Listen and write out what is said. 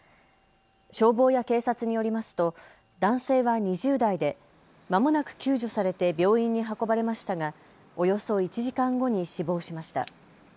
消防や警察によりますと男性は２０代でまもなく救助されて病院に運ばれましたがおよそ１時間後に死亡しました。